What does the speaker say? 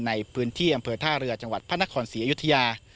ในพื้นที่อำเภอท่าเรือจังหวัดพระนครศรีอยุธยา